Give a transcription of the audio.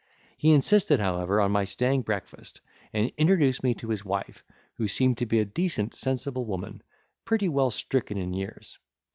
He insisted, however, on my staying breakfast, and introduced me to his wife, who seemed to be a decent sensible woman, pretty well stricken in years.